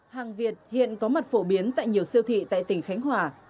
hàng việt hiện có mặt phổ biến tại nhiều siêu thị tại tỉnh khánh hòa